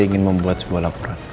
ingin membuat sebuah laporan